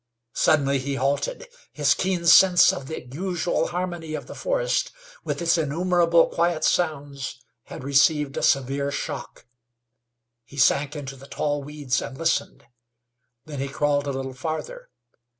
Suddenly he halted. His keen sense of the usual harmony of the forest, with its innumerable quiet sounds, had received a severe shock. He sank into the tall weeds and listened. Then he crawled a little farther.